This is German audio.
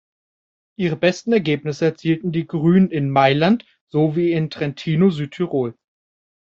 Ihre besten Ergebnisse erzielen die Grünen in Mailand sowie in Trentino-Südtirol.